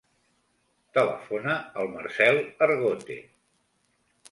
Telefona al Marcèl Argote.